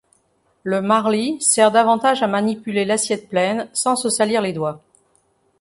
Le marli sert davantage à manipuler l'assiette pleine sans se salir les doigts.